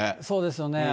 そうですよね。